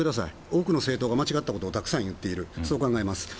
多くの政党が間違ったことをたくさん言っていると考えます。